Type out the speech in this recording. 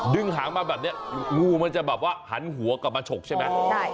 หางมาแบบนี้งูมันจะแบบว่าหันหัวกลับมาฉกใช่ไหม